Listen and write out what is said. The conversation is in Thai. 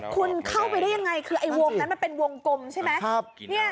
คุณเข้าไปได้ยังไงคือไอ้วงนั้นมันเป็นวงกลมใช่ไหม